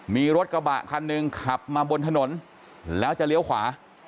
มีรถกระบะคันหนึ่งขับมาบนถนนแล้วจะเลี้ยวขวา